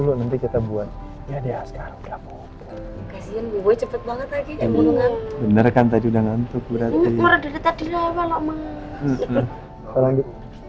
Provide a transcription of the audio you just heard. kita buat ya deh sekarang udah bobot gue cepet banget lagi bener kan tadi udah ngantuk berarti